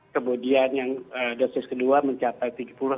kemudian yang dosis kedua mencapai tiga puluh delapan puluh